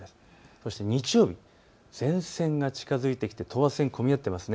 そして日曜日、前線が近づいてきて等圧線が混み合っています。